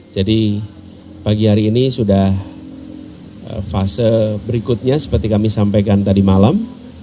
jadi pagi hari ini sudah fase berikutnya seperti kami sampaikan tadi malam